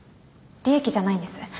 利益じゃないんです。